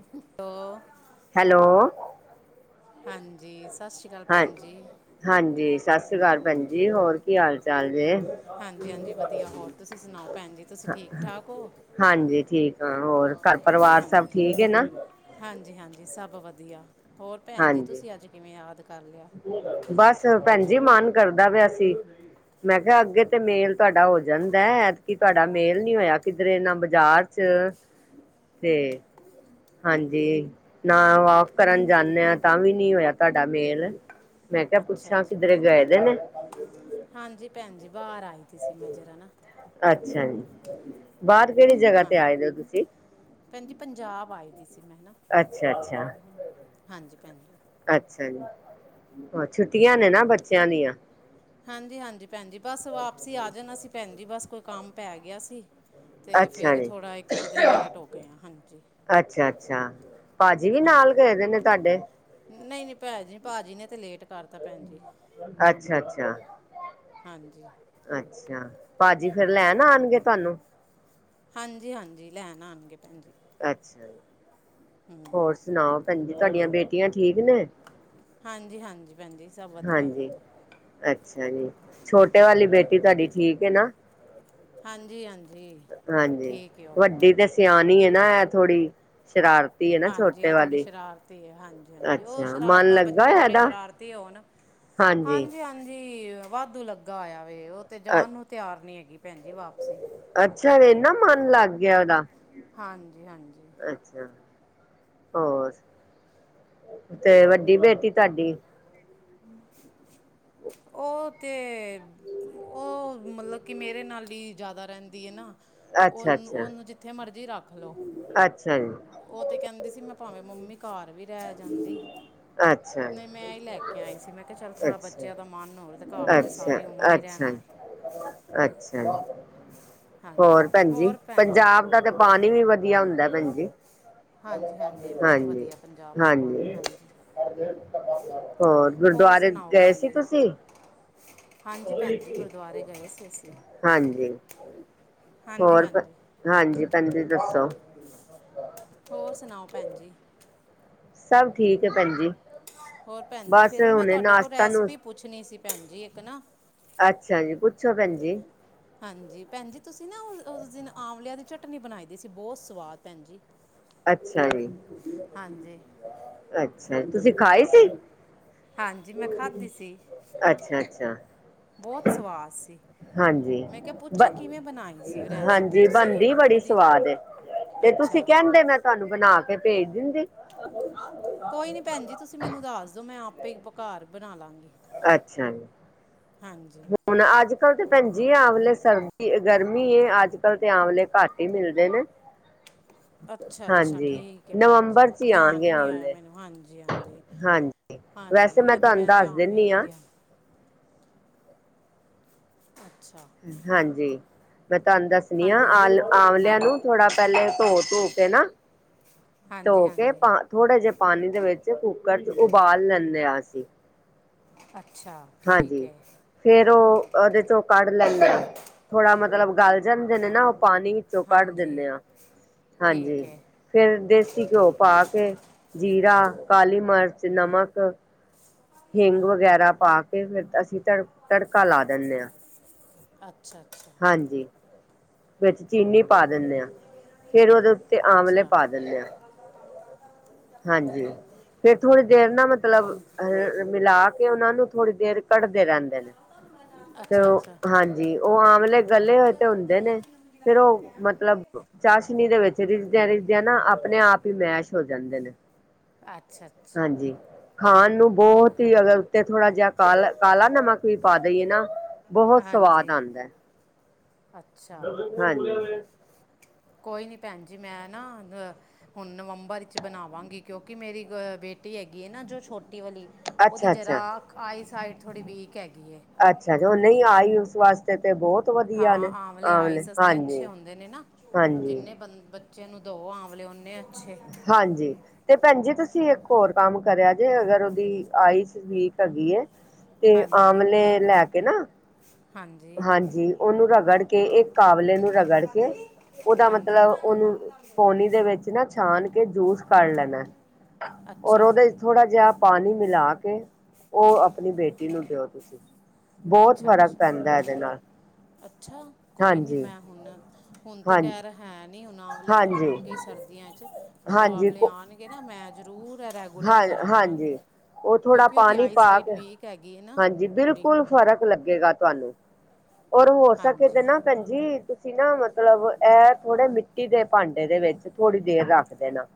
Hello hello ਹਾਂਜੀ। ਸਸ਼੍ਰੀ ਅਕਾਲ, ਹਾਂ ਭੈਣ ਜੀ। ਹਾਂਜੀ, ਸਤਿ ਸ੍ਰੀ ਅਕਾਲ ਭੈਣ ਜੀ, ਹੋਰ ਕੀ ਹਾਲ ਚਾਲ ਜੇ। ਹਾਂਜੀ ਹਾਂਜੀ ਵਧੀਆ ਹੋਰ ਤੁਸੀਂ ਸੁਣਾਓ ਭੈਣ ਜੀ, ਤੁਸੀਂ ਠੀਕ ਠਾਕਔ। ਹਾਂਜੀ ਠੀਕਆ, ਹੋਰ ਘਰ ਪਰਿਵਾਰ ਸਭ ਠੀਕ ਹੈ ਨਾ? ਹਾਂਜੀ-ਹਾਂਜੀ, ਸਭ ਵਧੀਆ ਹੋਰ, ਭੈਣ ਜੀ ਹਾਂਜੀ ਤੁਸੀਂ ਅੱਜ ਕਿਵੇਂ ਯਾਦ ਕਰ ਲਿਆ? ਬਸ ਭੈਣ ਜੀ, ਮਨ ਕਰਦਾ ਪਿਆ ਸੀ। ਮੈਂ ਕਿਹਾ ਅੱਗੇ ਤੇ ਮੇਲ ਤੁਹਾਡਾ ਹੋ ਜਾਂਦਾ, ਐਤਕੀ ਤੁਹਾਡਾ ਮੇਲ ਨੀ ਹੋਇਆ ਕਿਧਰੇ ਨਾ ਬਾਜ਼ਾਰ। ਚ ਤੇ ਹਾਂਜੀ, ਨਾ ਵਾਕ ਕਰਨ ਜਾਂਦੇ ਹਾਂ ਤਾਂ ਵੀ ਨੀ ਹੋਇਆ ਤੁਹਾਡਾ ਮੇਲ। ਮੈਂ ਕੇਯਾ ਅੱਛਾ ਪੁੱਛਾਂ ਅੱਛਾ ਕਿੱਧਰੇ ਭੈਣ ਜੀ ਗਏ ਦੇ ਨੇ? ਹਾਂਜੀ ਭੈਣ ਜੀ ਬਾਹਰ ਆਈ ਦੀ ਸੀ, ਮੈਂ ਜਰਾ ਨਾ ਅੱਛਾ ਜੀ, ਬਾਹਰ ਕਿਹੜੀ ਜਗ੍ਹਾ ਤੇ ਹਾਂਜੀ ਆਏ ਦੇ ਹੋ ਤੁਸੀਂ? ਭੈਣ ਜੀ ਪੰਜਾਬ ਆਏ ਦੀ ਸੀ ਮੈਂ ਨਾ, ਅੱਛਾ-ਅੱਛਾ, ਹਾਂਜੀ, ਭੈਣ ਜੀ। ਅੱਛਾ ਜੀ ਛੁੱਟੀਆਂ ਨੇ ਨਾ ਬੱਚਿਆਂ ਦੀਆਂ, ਹਾਂਜੀ-ਹਾਂਜੀ, ਭੈਣ ਜੀ ਬਸ ਵਾਪਸੀ ਆ ਜਾਣਾ ਸੀ, ਭੈਣ ਜੀ ਬਸ ਕੋਈ ਕੰਮ ਪੈ ਗਿਆ ਸੀ। ਤੇ ਅੱਛਾ ਫਿਰ ਜੀ ਥੋੜ੍ਹਾ ਇੱਕ ਦੋ ਦਿਨ ਲੇਟ ਹੋ ਗਏ ਹਾਂ, ਹਾਂਜੀ। ਅੱਛਾ ਅੱਛਾ ਭਾਜੀ ਵੀ ਨਾਲ ਗਏ ਦੇ ਨੇ ਤੁਹਾਡੇ? ਨਹੀਂ-ਨਹੀਂ, ਭੈਜੀ ਭਾਜੀ ਨੇ ਤੇ ਲੇਟ ਕਰਤਾ ਭੈਣ ਜੀ। ਅੱਛਾ-ਅੱਛਾ, ਹਾਂਜੀ, ਅੱਛਾ, ਭਾਜੀ ਫੇਰ ਲੈਣ ਆਣਗੇ ਤੁਹਾਨੂੰ? ਹਾਂਜੀ-ਹਾਂਜੀ, ਲੈਣ ਆਣਗੇ ਭੈਣ ਜੀ। ਅੱਛਾ ਜੀ, ਹੋਰ ਸੁਣਾਓ? ਭੈਣ ਜੀ ਤੁਹਾਡੀਆਂ ਬੇਟੀਆਂ ਠੀਕ ਨੇ? ਹਾਂਜੀ-ਹਾਂਜੀ, ਭੈਣਜੀ ਸਭ ਵਧੀਆ। ਹਾਂਜੀ ਅੱਛਾ ਜੀ ਛੋਟੇ ਵਾਲੀ ਬੇਟੀ ਤੁਹਾਡੀ ਠੀਕ ਹੈ ਨਾ, ਹਾਂਜੀ-ਹਾਂਜੀ। ਹਾਂਜੀ ਵੱਡੀ ਤੇ ਸਿਆਣੀ ਹੈ ਨਾ, ਇਹ ਥੋੜ੍ਹੀ ਸ਼ਰਾਰਤ ਨਾ ਹਾਂਜੀ ਛੋਟੇ ਆ ਥੋੜੀ ਵਾਲੇ ਸ਼ਰਾਰਤੀ ਹੈ ਹਾਂਜੀ ਹਾਂਜੀ ਉਹ ਅੱਛਾ ਮਨ ਸ਼ਰਾਰਤਾਂ ਲੱਗਾ ਬੱਚੇ ਜਿਹੜੇ ਇਹਦਾ ਹਾਂਜੀ, ਭੈਣ ਜੀ ਵਾਧੂ ਲੱਗਾ ਆਇਆ, ਵੇ ਉਹ ਤੇ ਜਾਣ ਨੂੰ ਤਿਆਰ ਨੀ ਹੈਗੀ ਭੈਣ ਜੀ ਵਾਪਸੀ। ਅੱਛਾ ਇੰਨਾ ਮਨ ਲੱਗ ਗਿਆ, ਉਹਦਾ ਹਾਂਜੀ-ਹਾਂਜੀ, ਅੱਛਾ, ਹੋਰ ਤੇ ਵੱਡੀ ਬੇਟੀ ਤੁਹਾਡੀ ਉਹ ਤੇ ਉਹ ਮਤਲਬ ਕਿ, ਮੇਰੇ ਨਾਲ ਹੀ ਜ਼ਿਆਦਾ ਰਹਿੰਦੀ ਹੈ ਨਾ। ਅੱਛਾ ਅੱਛਾ ਓਨ-ਓਨੂੰ ਜਿੱਥੇ ਮਰਜ਼ੀ ਰੱਖ ਲੋ। ਅੱਛਾ ਜੀ ਓ ਤੇ ਕੈਂਦੀ ਸੀ, ਮੈਂ ਭਾਵੇਂ ਮੰਮੀ ਘਾਰ ਵੀ ਰੈ ਜਾਂਦੀ, ਅੱਛਾ ਜੀ ਨਈਂ ਮੈਂ ਈ ਲੈ ਕੇ ਕੇ ਆਈ ਸੀ, ਮੈਂ ਕਿਹਾ ਚੱਲ ਥੋੜਾ ਅੱਛਾ ਬੱਚਿਆਂ ਦਾ ਮਨ ਹੋਵੇ, ਤੇ ਘਰ ਤੇ ਅੱਛਾ ਸਾਰੀ ਉਮਰ ਇਹੀ ਅੱਛਾ ਰੈਣਾ ਜੀ ਏ। ਅੱਛਾ ਜੀ, ਹਾਂਜੀ ਹੋਰ ਭੈਂਜੀ ਭੈਣ ਜੀ ਪੰਜਾਬ ਤੇ ਪਾਣੀ ਵੀ ਵਧੀਆ ਹੁੰਦੈ ਭੈਂਜੀ। ਹਾਂਜੀ-ਹਾਂਜੀ, ਬੋਤ ਵਧੀਆ ਪੰਜਾਬ ਦਾ ਪਾਣੀ, ਹਾਂਜੀ। ਹੋਰ ਗੁਰਦੁਆਰੇ ਸੁਣਾਓ ਗਏ ਭੈਣ ਸੀ ਜੀ ਤੁਸੀਂ? ਹਾਂਜੀ ਭੈਣ ਜੀ ਗੁਰਦੁਆਰੇ ਗਏ ਸੀ ਹਾਂਜੀ। ਹੋਰ ਹਾਂਜੀ-ਹਾਂਜੀ। ਹਾਂਜੀ ਭੈਂਜੀ ਦੱਸੋ? ਹੋਰ ਸੁਣਾਓ ਭੈਂਜੀ! ਸਭ ਠੀਕ ਏ ਭੈਂਜੀ। ਹੋਰ ਭੈਂਜੀ ਫੇਰ, ਓ ਮੈਂ ਤੁਹਾਡੇ ਕੋਲ ਨਾਸ਼ਤਾ ਨੂੰ ਰੈਸਪੀ ਪੁੱਛਣੀ ਸੀ ਭੈਂਜੀ ਇੱਕ ਨਾ। ਅੱਛਾ ਜੀ, ਪੁੱਛੋ ਭੈਂਜੀ। ਹਾਂਜੀ ਭੈਂਜੀ ਤੁਸੀਂ ਨਾ ਉਸ-ਉਸ ਦਿਨ ਆਂਵਲਿਆਂ ਦੀ ਚਟਨੀ ਬਣਾਈ ਦੀ ਸੀ, ਬਹੁਤ ਸਵਾਦ ਭੈਂਜੀ। ਅੱਛਾ ਜੀ, ਅੱਛਾ ਜੀ। ਤੁਸੀਂ ਖਾਈ ਸੀ? ਹਾਂਜੀ ਮੈਂ ਖਾਧੀ ਸੀ, ਅੱਛਾ ਅੱਛਾ ਬਹੁਤ ਸਵਾਦ ਸੀ। ਹਾਂਜੀ, ਮੈਂ ਕਿਹਾ ਬ ਪੁੱਛਾਂ ਕਿਵੇਂ ਬਣਾਈ ਸੀ ਉਹ ਰੈਸਿਪੀ ਹਾਂਜੀ, ਤੁਸੀਂ ਅ, ਬਣਦੀ ਬੜੀ ਉਹਦੀ ਸਵਾਦ ਏ। ਤੇ ਤੁਸੀਂ ਅੱਛਾ ਕੈਂਦੇ ਮੈਂ ਤੁਹਾਨੂੰ ਬਣਾ ਕੇ ਭੇਜ ਦਿੰਦੀ। [unintelligible] ਕੋਈ ਨੀਂ ਭੈਂਜੀ ਤੁਸੀਂ ਮੈਨੂੰ ਦੱਸ ਦੋ, ਮੈਂ ਆਪੇ ਈ ਬ-ਘਰ ਬਣਾ ਲਾਂਗੀ। ਅੱਛਾ ਜੀ ਹਾਂਜੀ। ਹੁਣ ਅੱਜ-ਕੱਲ ਤੇ ਭੈਂਜੀ ਆਂਵਲੇ ਸਰਦੀ-ਗਰਮੀ ਏ, ਅੱਜ-ਕਲ ਤੇ ਆਂਵਲੇ ਘੱਟ ਈ ਮਿਲਦੇ ਨੇ। [unintelligible] ਅੱਛਾ-ਅੱਛਾ ਹਾਂਜੀ ਠੀਕ ਏ ਭੈਂਜੀ, ਨਵੰਬਰ ਚ ਹੀ ਧਿਆਨ ਆਣਗੇ ਈ ਨੀ ਆਇਆ ਆਵਲੇ ਮੈਨੂੰ, ਹਾਂਜੀ-ਹਾਂਜੀ! ਹਾਂਜੀ ਵੈਸੇ ਹਾਂਜੀ ਐ ਤੇ ਤੁਹਾਨੂੰ ਮੈਂ ਦੱਸ ਧਿਆਨ ਈ ਦਿੰਦੀ ਨੀ ਹਾਂ ਰਿਆ। ਅੱਛਾ। ਹਾਂਜੀ। ਮੈਂ ਤਾਨੂੰ ਦੱਸਣੀ ਆਂ, ਹਾਂਜੀ ਆਲ-ਆਂਵਲਿਆਂ ਹਾਂਜੀ ਨੂੰ ਥੋੜਾ ਪੈਲੇ ਧੋ-ਧੋ ਕੇ ਨਾ ਹਾਂਜੀ ਧੋ -ਹਾਂ ਕੇ ਪਾ ਥੋੜੇ ਜੇ ਪਾਣੀ ਦੇ ਵਿੱਚ ਕੁੱਕਰ ਚ ਉਬਾਲ ਲੈਂਦੇ ਆ ਅਸੀਂ। ਅੱਛਾ। ਠੀਕ ਹਾਂਜੀ। ਹੈ ਫੇਰ ਓ ਓਦੇ ਚੋਂ ਕੱਢ ਲੈਂਦੇ ਆ, ਥੋੜਾ ਮਤਲਬ ਗਲ ਜਾਂਦੇ ਨੇ ਨਾ ਓ। ਪਾਣੀ ਵਿੱਚੋਂ ਕੱਢ ਹਾਂਜੀ ਦਿੰਨੇ ਆਂ, ਠੀਕ ਹਾਂਜੀ। ਹੈ ਫੇਰ ਦੇਸੀ ਘਿਓ ਪਾ ਕੇ, ਜੀਰਾ, ਕਾਲੀ ਮਰਚ, ਨਮਕ ਹਿੰਗ ਵਗੈਰਾ ਪਾ ਕੇ ਫੇਰ ਅਸੀਂ ਤੜ-ਤੜਕਾ ਲਾ ਦੇਨੇ ਆਂ। ਅੱਛਾ-ਅੱਛਾ! ਹਾਂਜੀ, ਵਿੱਚ ਚੀਨੀ ਪਾ ਦਿੰਨੇ ਆਂ ਫੇਰ ਓਦੇ ਉ ਤੇ ਆਮਲੇ ਅੱਛਾ ਪਾ ਦਿੰਨੇ ਆਂ। [inaudible] ਹਾਂਜੀ! ਫੇਰ ਥੋੜ੍ਹੀ ਦੇਰ ਨਾ ਮਤਲਬ ਮਿਲਾ ਕੇ ਓਨਾ ਨੂੰ ਥੋੜ੍ਹੀ ਦੇਰ ਕੜਦੇ ਰੈਂਦੇ ਨੇ ਤੇ ਅੱਛਾ ਓ, ਅੱਛਾ ਹਾਂਜੀ! ਜੀ ਓ ਆਮਲੇ ਗਲੇ ਹੋਏ ਤੇ ਹੁੰਦੇ ਨੇ ਫੇਰ ਓ ਮਤਲਬ ਚਾਸ਼ਨੀ ਦੇ ਵਿੱਚ ਰਿੱਜ ਰਿਜਦੇਯਾਂ -ਰਿਜਦੇਯਾਂ ਨਾ ਆਪਣੇ ਆਪ ਈ ਮੈਸ਼ ਹੋ ਜਾਂਦੇ ਨੇ। ਅੱਛਾ - ਅੱਛਾ ਹਾਂਜੀ ਖਾਣ ਨੂੰ ਬਹੁਤ ਹੀ ਅਗਰ ਉੱਤੇ ਥੋੜਾ ਜਿਹਾ ਕਾਲਾ - ਕਾਲਾ ਨਮਕ ਵੀ ਪਾ ਦੇਈਏ ਨਾ ਬਹੁਤ ਸਵਾਦ ਹਾਂਜੀ ਆਂਦਾ ਅੱਛਾ ਹਾਂਜੀ ਕੋਈ ਨੀ ਭੈਣ ਜੀ ਮੈਂ ਨਾ ਦ ਹੁਣ ਨਵੰਬਰ ਵਿੱਚ ਬਣਾਵਾਂਗੀ ਕਿਉਂਕਿ ਮੇਰੀ ਗ ਬੇਟੀ ਹੈਗੀ ਹੈ ਨਾ ਜੋ ਛੋਟੀ ਵਾਲੀ ਉਹਦੀ ਅੱਛਾ ਜਰਾ ਅੱਛਾ ਆਈਸ ਸਾਈਡ ਥੋੜ੍ਹੀ ਵੀਕ ਹੈਗੀ ਏ ਅੱਛਾ ਉਹ ਨਹੀਂ ਆਈਸ ਉਸ ਵਾਸਤੇ ਤੇ ਬਹੁਤ ਵਧੀਆ ਹਾਂ ਨੇ ਆਮਲੇ ਆਈਸ ਵਾਸਤੇ ਅੱਛੇ ਹਾਂਜੀ ਹੁੰਦੇ ਨੇ ਨਾ, ਹਾਂਜੀ ਜਿੰਨੇ ਬੰਦੇ ਬ ਬੱਚੇ ਨੂੰ ਦੋ ਆਂਮਲੇ, ਉਨੇ ਅੱਛੇ ਹਾਂਜੀ, ਤੇ ਭੈਣ ਜੀ ਤੁਸੀਂ ਇੱਕ ਹੋਰ ਕੰਮ ਕਰਿਆ ਜੇ ਅਗਰ ਉਹਦੀ ਆਈਸ ਵੀਕ ਹੈਗੀ ਏ, ਤੇ ਹਾਂਜੀ ਆਮਲੇ ਲੈ ਕੇ ਨਾ ਹਾਂਜੀ, ਉਹਨੂੰ ਰਗੜ ਕੇ, ਇੱਕ ਆਵਲੇ ਨੂੰ ਰਗੜ ਕੇ, ਉਹਦਾ ਹਾਂਜੀ ਮਤਲਬ, ਉਹਨੂੰ ਪੋਨੀ ਦੇ ਵਿੱਚ ਵਿੱਚ ਨਾ ਛਾਨ ਕੇ ਜੂਸ ਕਢ ਲੈਣਾ, ਔਰ ਅੱਛਾ ਜੀ ਉਹਦੇ 'ਚ ਥੋੜਾ ਜਿਹਾ ਪਾਣੀ ਮਿਲਾ ਕੇ, ਉਹ ਆਪਣੀ ਬੇਟੀ ਨੂੰ ਦਿਓ ਤੁਸੀਂ ਬਹੁਤ ਅੱਛਾ ਫਰਕ ਅੱਛਾ ਪੈਂਦਾ ਇਹਦੇ ਨਾਲ ਅੱਛਾ, ਕੋਈ ਨੀ ਹਾਂਜੀ ਮੈਂ ਹੁਣ - ਹੁਣ ਤੇ ਹਾਂ ਖੈਰ ਹੈ ਨੀ ਉਹਣਾ ਆਵਲੇ ਹਾਂਜੀ ਆਉਣਗੇ ਸਰਦੀਆਂ 'ਚ, ਜਦੋਂ ਹਾਂਜੀ ਆਵਲੇ ਆਉਣਗੇ ਨਾ ਮੈਂ ਜ਼ਰੂਰ ਹੈਗਾ, ਰੈਗੂਲਰ ਹਾਂ ਕਰਾ ਕਰਾਂਗੀ ਹਾਂਜੀ ਉਹ ਥੋੜ੍ਹਾ ਕਿਉਂਕਿ ਉਹਦੀ ਪਾਣੀ ਪਾ ਆਈਸਾਈਟ ਕੇ, ਵੀਕ ਹੈਗੀ ਹੈ ਨਾ ਹਾਂਜੀ ਥੋੜ੍ਹੀ ਬਿਲਕੁਲ ਫਰਕ ਲੱਗੇਗਾ ਤਾਨੂੰ ਔਰ ਹੋ ਸਕੇ ਤੇ ਹਾਂਜੀ ਨਾ ਭੈਣਜੀ ਅਸੀ ਨਾ ਮਤਲਬ, ਐਹ ਥੋੜ੍ਹੇ ਮਿੱਟੀ ਦੇ ਭਾਂਡੇ ਦੇ ਵਿੱਚ ਥੋੜ੍ਹੀ ਦੇਰ ਰੱਖ ਦੇਨਾ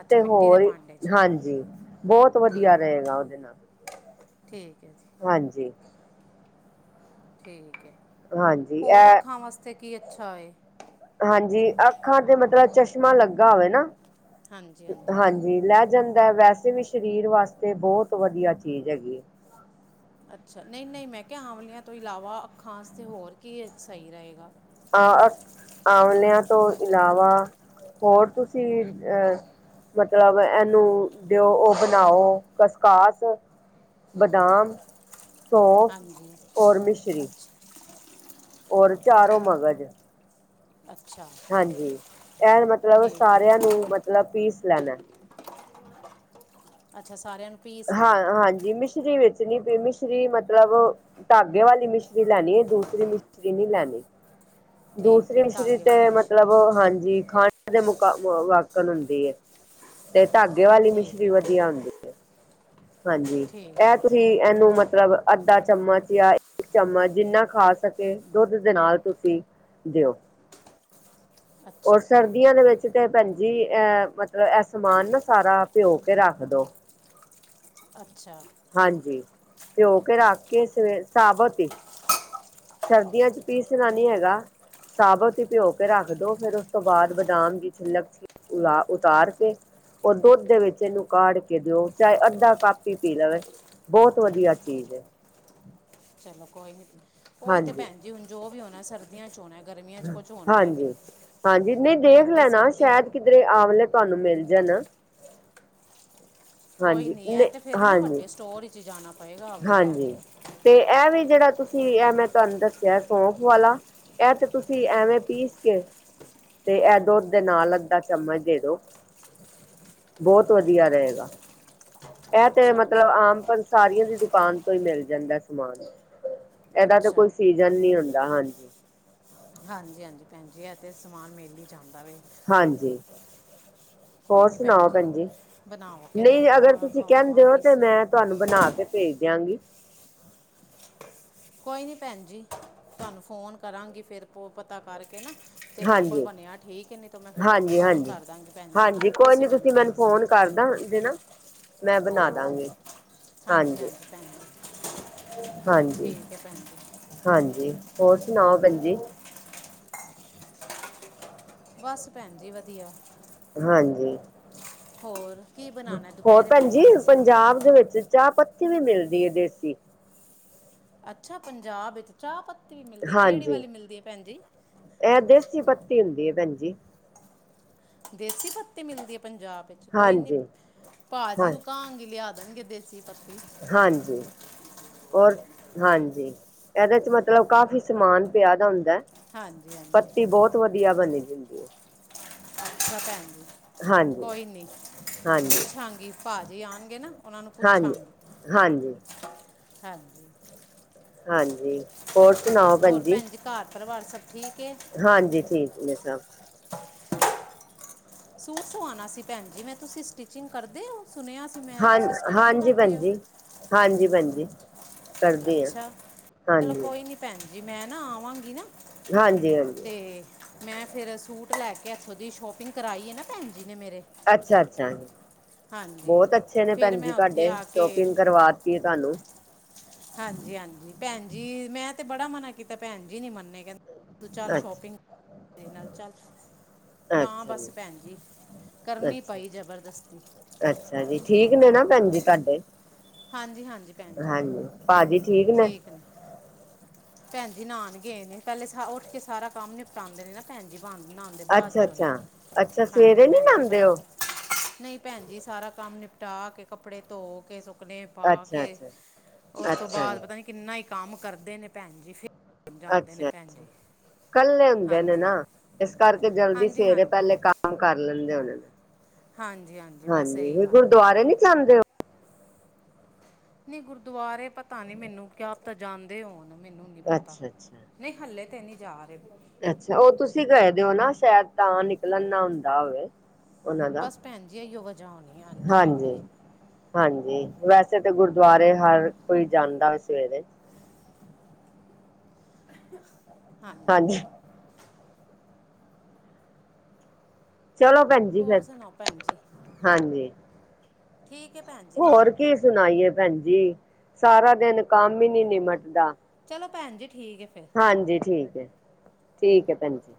ਅੱਛਾ ਮਿੱਟੀ ਦੇ ਭਾਂਡੇ 'ਚ ਕਰਨਾ ਹਾਂਜੀ, ਬਹੁਤ ਵਧੀਆ ਠੀਕ ਹੈ ਰਹੇਗਾ ਉਹਦੇ ਨਾਲ, ਠੀਕ ਹੈ ਜੀ ਹਾਂਜੀ ਠੀਕ ਐ, ਹਾਂਜੀ ਹੋਰ ਇਹ ਅੱਖਾਂ ਵਾਸਤੇ ਕੀ ਅੱਛਾ ਆਏ ਹਾਂਜੀ ਅੱਖਾਂ ਤੇ ਮਤਲਬ ਚਸ਼ਮਾ ਲੱਗਾ ਹੋਵੇ ਨਾ, ਅਹ ਹਾਂਜੀ ਵੀ ਲੈ ਜਾਂਦਾ, ਵੈਸੇ ਵੀ ਸਰੀਰ ਵਾਸਤੇ ਬਹੁਤ ਵਧੀਆ ਚੀਜ਼ ਹੈਗੀ ਏ ਅੱਛਾ ਨਹੀਂ- ਨਹੀਂ, ਮੈਂ ਕਿਆ ਆਂਵਲਿਆਂ ਤੋਂ ਇਲਾਵਾ ਅੱਖਾਂ ਵਾਸਤੇ ਹੋਰ ਕੀ ਸਹੀ ਰਹੇਗਾ ਆ -ਆ, ਆਵਲਿਆਂ ਤੋਂ ਇਲਾਵਾ ਹੋਰ ਤੁਸੀਂ ਅਹ ਮਤਲਬ ਐਹਨੂੰ ਦਿਓ, ਉਹ ਬਣਾਓ ਕਸਕਾਸ ਬਦਾਮ ਸੌਂਫ ਹਾਂਜੀ ਔਰ ਮਿਸ਼ਰੀ ਅੱਛਾ ਔਰ ਚਾਰੋਂ ਮਗਜ਼ ਅੱਛਾ ਹਾਂਜੀ, ਐਹ ਮਤਲਬ ਠੀਕ ਹੈ ਸਾਰਿਆਂ ਨੂੰ ਮਤਲਬ ਪੀਸ ਲੈਣਾ ਅੱਛਾ ਸਾਰਿਆਂ ਨੂੰ ਪੀਸ ਹਾਂ ਲਵਾਂ ਹਾਂਜੀ, ਮਿਸ਼ਰੀ ਵਿੱਚ ਨੀ ਮਿਸ਼ਰੀ ਮਤਲਬ ਧਾਗੇ ਵਾਲੀ ਮਿਸ਼ਰੀ ਲੈਨੀ, ਦੂਸਰੀ ਮਿਸ਼ਰੀ ਨਹੀਂ ਲੈਣੀ ਠੀਕ ਦੂਸਰੀ ਹੈ ਮਿਸ਼ਰੀ ਧਾਗੇ ਵਾਲੀ ਤੇ ਮਿਸ਼ਰੀ ਮਤਲਬ ਹਾਂਜੀ ਖਾ ਇਹਦੇ ਮੁਕਾ ਵਾਕਣ ਹੁੰਦੀ ਏ, ਤੇ ਧਾਗੇ ਵਾਲੀ ਠੀਕ ਮਿਸ਼ਰੀ ਹੈ ਵਧੀਆ ਹੁੰਦੀ ਹਾਂਜੀ ਠੀਕ ਐਹ ਹੈ ਤੁਸੀਂ ਇਹਨੂੰ ਮਤਲਬ ਅੱਧਾ ਚਮਚ ਜਾਂ ਇੱਕ ਚਮਚ ਜਿੰਨਾ ਖਾ ਸਕੇ, ਦੁੱਧ ਦੇ ਨਾਲ ਤੁਸੀਂ ਦਿਓ ਔਰ ਅੱਛਾ ਜੀ, ਸਰਦੀਆਂ ਦੇ ਵਿੱਚ ਕਿਤੇ ਭੈਣਜੀ, ਐ ਮਤਲਬ ਐਹ ਸਮਾਨ ਨਾ ਸਾਰਾ ਪਿਓ ਕੇ ਰੱਖ ਦੋ ਅੱਛਾ ਹਾਂਜੀ ਭਿਓਂ ਕੇ ਰੱਖ ਕੇ ਸਵੇ ਸਾਬਤ ਈ। ਸਰਦੀਆਂ 'ਚ ਪੀਸਣਾ ਨੀ ਹੈਗਾ। ਸਾਬਤ ਈ ਭਿਓ ਕੇ ਰੱਖ ਦੋ, ਫੇਰ ਓਸ ਤੋਂ ਬਾਦ ਬਦਾਮ ਦੀ ਛਿਲਕ ਲਾ ਉਤਾਰ ਕੇ ਓ ਦੁੱਧ ਦੇ ਵਿੱਚ ਏਨੂੰ ਕਾਢ ਕੇ ਦਿਓ। ਚਾਏ ਅੱਧਾ ਪਾਪੀ ਈ ਪੀ ਲਵੇ, ਬੋਤ ਵਧੀਆ ਚੀਜ਼ ਏ। ਚਲੋ ਕੋਈ ਨੀ, ਓਈ ਤੇ ਹਾਂਜੀ ਭੈਣ ਜੀ ਹੁਣ ਜੋ ਵੀ ਹੋਣਾ ਸਰਦੀਆਂ 'ਚ ਹੋਣਾ। ਗਰਮੀਆਂ 'ਚ ਕੁਝ ਹੋਣਾ ਹੀ ਨਹੀਂ ਹਾਂਜੀ ਹਾਂਜੀ ਨਈ ਹੁਣ ਦੇਖ ਅੱਗੇ ਲੈਣਾ ਸਰਦੀ ਸ਼ੈਦ ਕਿਧਰੇ ਆਂਵਲੇ ਤੁਆਨੂੰ ਮਿਲ ਜਾਣ। ਕੋਈ ਹਾਂਜੀ ਨਹੀਂ ਹੈ ਨੇ ਤੇ ਫਿਰ ਨਾ ਹਾਂਜੀ। ਵੱਡੇ ਸਟੋਰ ਵਿਚ ਜਾਣਾ ਪਏਗਾ। ਆਵਲੇ ਲੈਣ ਹਾਂਜੀ ਤੇ ਏ ਵੀ ਜੇੜਾ ਤੁਸੀਂ ਏ ਮੈਂ ਤੁਆਨੂੰ ਦੱਸਿਆ ਸੌਫ ਵਾਲਾ ਐ ਤੇ ਤੁਸੀਂ ਐਵੇਂ ਪੀਸ ਕੇ ਤੇ ਐ ਦੁਧ ਦੇ ਨਾਲ ਅੱਧਾ ਚਮਚ ਦੇ ਦੋ। ਬੋਤ ਵਧੀਆ ਰਏਗਾ। ਐ ਤੇ ਅੱਛਾ ਮਤਲਬ ਅੱਛਾ ਆਮ ਪਨਸਾਰੀਆਂ ਦੀ ਦੁਕਾਨ ਤੋਂ ਈ ਮਿਲ ਜਾਂਦਾ ਸਮਾਨ। ਐਦਾ ਤੇ ਅੱਛਾ ਕੋਈ ਸੀਜਨ ਨੀ ਹੁੰਦਾ ਹਾਂਜੀ। ਹਾਂਜੀ ਹਾਂਜੀ ਭੈਣਜੀ ਐ ਤੇ ਸਮਾਨ ਮਿਲ ਈ ਜਾਂਦਾ ਵੇ। ਹਾਂਜੀ ਹੋਰ ਸੁਣਾਓ ਭੈਣ ਜੀ। ਬਣਾਓ ਕੇ ਦੋ ਨਈ ਅਗਰ ਖਵਾ- ਤੁਸੀਂ ਕੈਂਦੇ ਓ ਖਵਾਵਾਂਗੀ ਤੇ ਸ ਮੈਂ ਤੁਆਨੂੰ ਬਣਾ ਕੇ ਭੇਜ ਦਿਆਂਗੀ। ਕੋਈ ਨੀ ਭੈਣ ਜੀ ਤੁਆਨੂੰ ਫੋਨ ਕਰਾਂਗੀ, ਫੇਰ ਪਤਾ ਕਰਕੇ ਨਾ ਤੇ ਮੇਰੇ ਕੋਲ ਹਾਂਜੀ। ਬਣਿਆ ਠੀਕ ਏ ਨਈ ਤੇ ਮੈਂ ਫੇਰ ਤੁਆਨੂੰ ਹਾਂਜੀ, ਫੋਨ ਹਾਂਜੀ। ਕਰ ਦਾਂਗੀ ਭੈਣ ਜੀ, ਹਾਂਜੀ ਕੋਈ ਤੁਸੀਂ ਨੀ ਮੈਨੂੰ ਭੇਜ ਦੇਣਾ। ਫੋਨ ਕਰਦਾ ਗੇ ਨਾ, ਮੈਂ ਬਣਾ ਹਾਂਜੀ ਦਾਂਗੀ। ਹਾਂਜੀ ਹਾਂਜੀ ਭੈਣ ਜੀ, ਹਾਂਜੀ, ਠੀਕ ਏ ਭੈਣ ਜੀ। ਹਾਂਜੀ ਹੋਰ ਸੁਣਾਓ ਭੈੈਣਜੀ। ਬਸ ਭੈਣ ਜੀ ਵਧੀਆ। ਹਾਂਜੀ ਹੋਰ ਕੀ ਬਣਾਉਣਾ ਹੈ ਹੋਰ ਦੁਪਹਿਰੇ ਭੈਣ ਭੈਣਜੀ ਜੀ ਤੁਸੀਂ ਪੰਜਾਬ ਦੇ ਵਿੱਚ ਚਾ ਪੱਤੀ ਵੀ ਮਿਲਦੀ ਏ ਦੇਸੀ। ਅੱਛਾ ਪੰਜਾਬ ਵਿੱਚ ਚਾ ਪੱਤੀ ਵੀ ਮਿਲਦੀ, ਕੇੜੀ ਵਾਲੀ ਮਿਲਦੀ ਏ ਭੈਣ ਜੀ। ਐ ਦੇਸੀ ਪੱਤੀ ਹੁੰਦੀ ਏ ਭੈਣ ਜੀ। ਦੇਸੀ ਪੱਤੀ ਮਿਲਦੀ ਏ ਪੰਜਾਬ ਵਿੱਚ, ਕੋਈ ਨੀ ਹਾਂਜੀ ਭਾਜੀ ਹਾਂ ਨੂੰ ਕਾਂ ਗੀ ਲਿਆ ਦੇਣਗੇ ਦੇਸੀ ਪੱਤੀ। ਹਾਂਜੀ। ਔਰ ਹਾਂਜੀ, ਐਦੇ'ਚ ਮਤਲਬ ਕਾਫ਼ੀ ਸਮਾਨ ਪਿਆ ਦਾ ਹੁੰਦਾ। ਹਾਂਜੀ ਹਾਂਜੀ ਪੱਤੀ ਬੋਤ ਵਧੀਆ ਬਣੀ ਦੀ ਹੁੰਦੀ ਏ। ਅੱਛਾ ਭੈਣ ਜੀ, ਹਾਂਜੀ ਕੋਈ ਨੀ। ਹਾਂਜੀ ਪੁਛਾਂਗੀ, ਭਾਜੀ ਆਣਗੇ ਨਾ, ਓਨਾਂ ਨੂੰ ਹਾਂਜੀ ਪੁੱਛਾਂਗੀ। ਹਾਂਜੀ ਹਾਂਜੀ। ਹਾਂਜੀ। ਹੋਰ ਭੈਣ ਜੀ, ਘਰ-ਪਰਵਾਰ ਸਭ ਠੀਕ ਏ। ਹਾਂਜੀ, ਠੀਕ ਨੇ ਸਭ। ਸੂਟ ਸਵਾਣਾ ਸੀ, ਭੈਣ ਜੀ ਮੈਂ ਤੁਸੀਂ ਸਟਿਚਿੰਗ ਕਰਦੇ ਓ? ਸੁਣਿਆ ਸੀ ਮੈਂ ਹਾਂ ਤੁਸੀਂ ਸਟਿਚਿੰਗ ਹਾਂਜੀ ਭੈਣ ਕਰਦੇ ਹੋ ਜੀ, ਹਾਂਜੀ ਭੈਣ ਜੀ। ਕਰਦੀ ਹਾਂ ਅੱਛਾ ਚਲੋ ਹਾਂਜੀ ਕੋਈ ਨੀ ਭੈਣ ਜੀ, ਮੈਂ ਨਾ ਆਵਾਂਗੀ ਨਾ। ਹਾਂਜੀ-ਹਾਂਜੀ। ਤੇ ਮੈਂ ਫੇਰ ਸੂਟ ਲੈ ਕੇ, ਏਥੋਂ ਦੀ ਸ਼ੋਪਿੰਗ ਕਰਾਈ ਏ ਨਾ, ਭੈਣਜੀ ਨੇ ਮੇਰੇ। ਅੱਛਾ-ਅੱਛਾ, ਹਾਂਜੀ ਬੋਤ ਅੱਛੇ ਨੇ ਫਿਰ ਭੈਨਜੀ ਮੈਂ ਉੱਥੇ ਤੁਆਡੇ, ਆ ਕੇ ਸ਼ੋਪਿੰਗ ਕਰਵਾ ਤੀ ਤਾਨੂੰ ਹਾਂਜੀ-ਹਾਂਜੀ, ਭੈਣ ਜੀ, ਮੈਂ ਤੇ ਬੜਾ ਮਨਾ ਕੀਤਾ, ਭੈਨ ਜੀ ਨੀ ਮੰਨੇ, ਕੈਂਦੇ, ਤੂੰ ਚੱਲ ਅੱਛਾ ਸ਼ੋਪਿੰਗ ਚੱਲ ਤਾਂ ਅੱਛਾ ਜੀ ਬਸ ਭੈਨਜੀ, ਕਰਨੀ ਅੱਛਾ ਪਈ ਜਬਰਦਸਤੀ। ਅੱਛਾ ਜੀ, ਠੀਕ ਨੇ ਨਾ ਭੈਨਜੀ ਤਾਡੇ। ਹਾਂਜੀ-ਹਾਂਜੀ ਭੈਨਜੀ, ਠੀਕ ਨੇ। ਭੈਨਜੀ ਨਾਨ ਗਏ ਨੇ, ਪੈਲੇ ਉਠ ਕੇ ਸਾਰਾ ਕੰਮ ਨਿਪਟਾਂਦੇ ਨੇ ਨਾ। ਭੈਨਜੀ, ਨਾਂਦੇ ਬਾਦ ਅੱਛਾ ਚੋ ਨੇ ਅੱਛਾ ਅੱਛਾ ਹਾਂਜੀ, ਸਵੇਰੇ ਨੀ ਭੈਨ ਜੀ ਨਾਂਦੇ ਅਪਨਾ ਉਹ ਨਈ ਭੈਨ ਜੀ ਸਾਰਾ ਕੰਮ ਨਿਪਟਾ ਕੇ, ਕੱਪੜੇ ਧੋ ਕੇ, ਸੁੱਕਨੇ ਪਾ ਅੱਛਾ ਕੇ, ਅੱਛਾ ਉਸ ਤੋ ਅੱਛਾ ਜੀ ਬਾਦ ਪਤਾ ਨੀ ਕਿਨਾ ਈ ਕੰਮ ਕਰਦੇ ਨੇ ਭੈਨ ਜੀ ਫੇਰ ਜਾਂਦੇ ਨੇ ਅੱਛਾ ਭੈਨ ਅੱਛਾ ਜੀ। ਕੱਲੇ ਹੁੰਦੇ ਨੇ ਹਾਂਜੀ ਨਾ, ਏਸ ਕਰਕੇ ਜਲਦੀ ਹਾਂਜੀ ਸਵੇਰੇ ਹਾਂਜੀ ਪੈਲੇ ਕੰਮ ਕਰ ਲੈਂਦੇ ਹੋਨੇ ਹਾਂਜੀ ਨੇ। ਬਸ ਇਹੀ ਹਾਂਜੀ, ਗੱਲ ਹੈ ਗੁਰਦੁਆਰੇ ਨਈ ਜਾਂਦੇ ੳ। ਨਈ, ਗੁਰਦੁਆਰੇ ਪਤਾ ਨੀ ਮੈਨੂੰ, ਕਿਆ ਪਤਾ ਜਾਂਦੇ ਹੋਨ, ਮੈਨੂੰ ਨੀ ਹੋ ਪਤਾ। ਅੱਛਾ ਅੱਛਾ ਨਈ ਹੱਲੇ ਤੇ ਨੀ ਜਾ ਰੇ। ਅੱਛਾ, ੳਹ ਤੁਸੀ ਗਏ ਦੇ ੳ ਨਾ, ਸ਼ਏਦ ਤਾਂ ਨਿਕਲਣ ਨਾ ਹੁੰਦਾ ਹੋਵੇ। ਉਹਨਾਂ ਦਾ ਬਸ ਭੈਨਜੀ, ਏਇਓ ਵਜਾ ਹੋਨੀ ਹਾਂਜੀ, ਭੈਨ ਜੀ। ਹਾਂਜੀ, ਵੈਸੇ ਤੇ ਗੁਰਦੁਆਰੇ ਹਰ ਕੋਈ ਜਾਂਦਾ ਸਵੇਰੇ। ਹਾਂਜੀ। ਚਲੋ ਭੈਨ ਹੋਰ ਸੁਣਾਓ ਭੈਨ ਜੀ, ਠੀਕ ਏ ਭੈਨ ਜੀ ਫੇਰ। ਹੋਰ ਕੀ ਸੁਣਾਈਏ ਭੈਨ ਜੀ, ਸਾਰਾ ਦਿਨ ਕੰਮ ਈ ਨੀ ਨਿਪਟਦਾ। ਚਲੋ ਭੈਨ ਜੀ, ਠੀਕ ਏ ਫੇਰ। ਹਾਂਜੀ ਠੀਕ ਏ। ਠੀਕ ਏ ਭੈਨ ਜੀ।